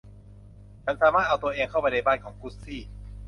ฉันสามารถเอาตัวเองเข้าไปในบ้านของกุซซี่